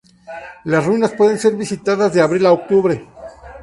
Las ruinas pueden ser visitadas de abril a octubre.